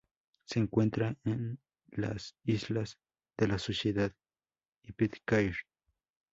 Se encuentran en las Islas de la Sociedad y Pitcairn.